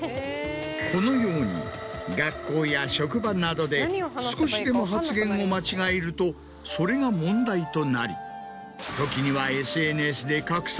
このように学校や職場などで少しでも発言を間違えるとそれが問題となり時にはＳＮＳで拡散。